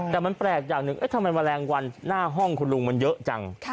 แต่มันแปลกอย่างหนึ่งทำไมแมลงวันหน้าห้องคุณลุงมันเยอะจัง